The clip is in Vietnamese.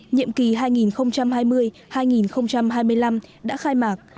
nhiệm kỳ hai nghìn hai mươi hai nghìn hai mươi năm đã khai mạc